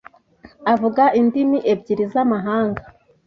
avuga indimi ebyiri z'amahanga.